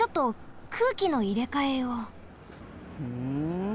ふん。